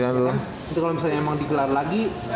itu kan itu kalau misalnya emang digelar lagi